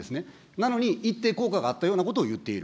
なのに、一定効果があったようなことを言っている。